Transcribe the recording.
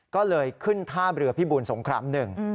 ก็เลยขึ้นท่าเรือพิบูลสงครามหนึ่ง